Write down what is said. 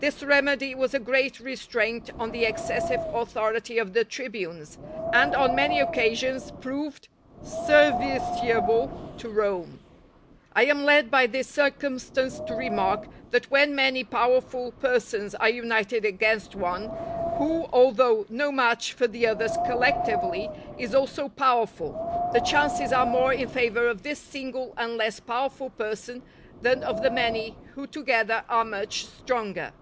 This remedy was a great restraint on the excessive authority of the tribunes, and on many occasions proved serviceable to Rome. I am led by this circumstance to remark, that when many powerful persons are united against one, who, although no match for the others collectively, is also powerful, the chances are more in favour of this single and less I powerful person, than of the many who together are much stronger.